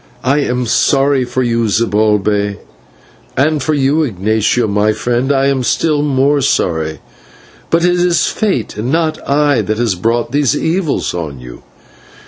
I am sorry for you, Zibalbay; and for you, Ignatio, my friend, I am still more sorry: but it is fate and not I that has brought these evils on you.